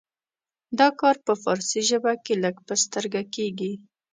دا کار په فارسي ژبه کې لږ په سترګه کیږي.